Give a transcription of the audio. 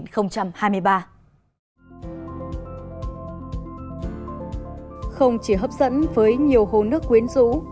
không chỉ hấp dẫn với nhiều hồ nước quyến rũ